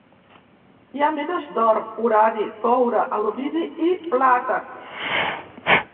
Hi ha mines d'or, urani, coure, alumini i plata.